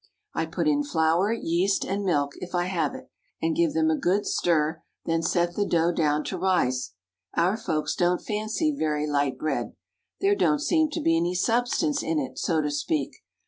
"I put in flour, yeast, and milk if I have it, and give them a good stir; then set the dough down to rise. Our folks don't fancy very light bread. There don't seem to be any substance in it—so to speak.